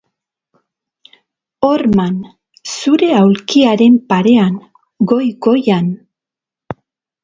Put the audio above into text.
Horman zure aulkiaren parean, goi-goian!